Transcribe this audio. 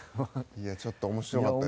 いやちょっと面白かったですよ。